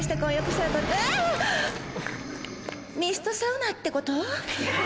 ミストサウナってこと？